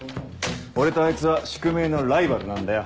俺とあいつは宿命のライバルなんだよ。